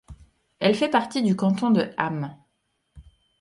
Elle fait partie du canton de Ham.